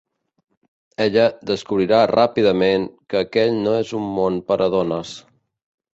Ella descobrirà ràpidament que aquell no és un món per a dones.